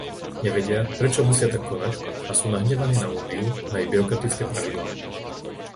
Nevedia, prečo musia tak konať, a sú nahnevaní na Úniu, na jej byrokratické pravidlá.